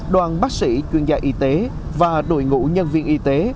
đoàn bác sĩ chuyên gia y tế và đội ngũ nhân viên y tế